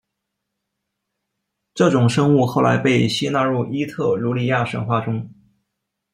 这种生物后来被吸纳入伊特鲁里亚神话中。